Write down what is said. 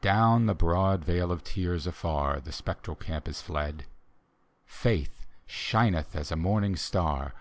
Down the broad Valeof Tears afar The spectral camp is fled; Faith shineth as a morning star.